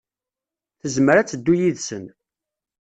Tezmer ad teddu yid-sen.